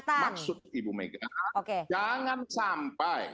nah maksud ibu megah